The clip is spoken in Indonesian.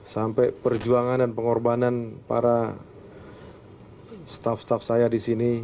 sampai perjuangan dan pengorbanan para staff staff saya di sini